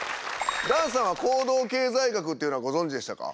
檀さんは行動経済学っていうのはご存じでしたか？